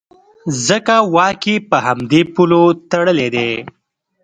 ځکه واک یې په همدې پولو تړلی دی.